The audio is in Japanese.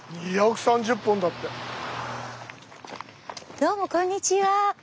どうもこんにちは。